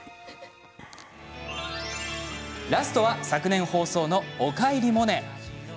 ラストは、昨年放送の「おかえりモネ」。